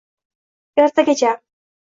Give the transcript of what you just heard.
Ertagacha!